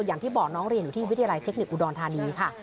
อย่างที่บอกน้องเรียนอยู่ที่วิทยาลัยเทคนิคอุดรธานีค่ะ